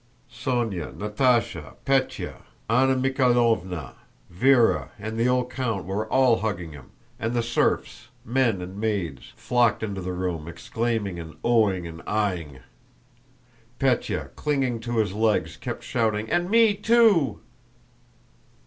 Sónya, Natásha, Pétya, Anna Mikháylovna, Véra, and the old count were all hugging him, and the serfs, men and maids, flocked into the room, exclaiming and oh ing and ah ing. Pétya, clinging to his legs, kept shouting, "And me too!"